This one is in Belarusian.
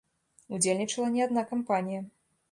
Удзельнічала не адна кампанія.